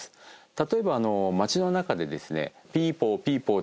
例えば街の中でですね